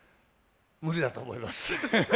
無理だと思います。